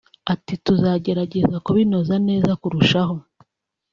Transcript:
Ati “Tuzagerageza kubinoza neza kurushaho